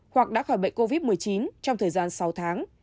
hoặc đã khỏi bệnh covid một mươi chín trong thời gian sáu tháng